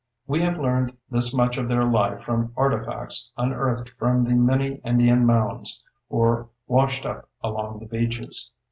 We have learned this much of their life from artifacts unearthed from the many Indian mounds or washed up along the beaches.